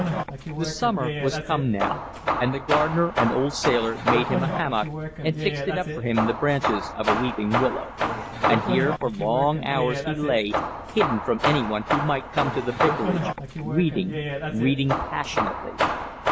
The summer was come now, and the gardener, an old sailor, made him a hammock and fixed it up for him in the branches of a weeping willow. And here for long hours he lay, hidden from anyone who might come to the vicarage, reading, reading passionately.